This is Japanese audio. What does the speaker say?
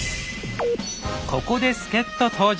ここで助っ人登場。